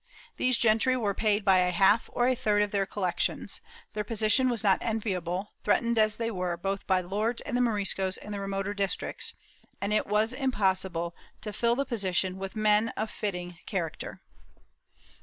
These gentry were paid by a half or a third of their collections; their position was not enviable, threatened as they were both by the lords and the Moriscos in the remoter districts, and it was impossible to fill the position with men of fitting character.